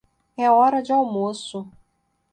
É hora de almoço.